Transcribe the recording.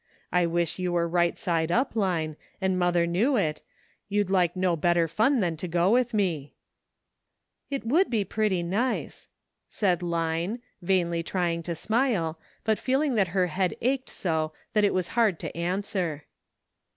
I wish you were right side up. Line, and mother knew it, you'd like no better fun than to go with we," 50 ''A PRETTY STATE OF THINGS.'' "It would be very nice," said Line, vainly trying to smile, but feeling that her head ached so that it was hard to answer.